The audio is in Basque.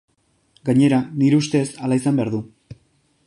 Gainera, nire ustez, hala izan behar du.